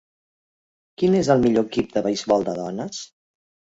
Quin és el millor equip de beisbol de dones?